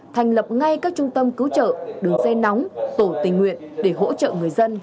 thành lập ngay các trung tâm cứu trợ đường dây nóng tổ tình nguyện để hỗ trợ người dân